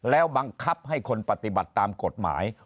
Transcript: แล้วบังคับให้คนปฏิบัติตามกฎหมาย